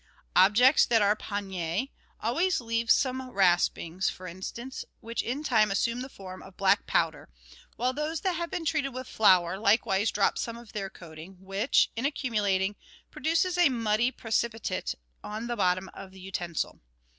Objects that are " panes " always leave some raspings, for instance, which in time assume the form of black powder, while those that have been treated with flour likewise drop some of their coating, which, in accumulating, produces a muddy pre cipitate on the bottom of the utensil.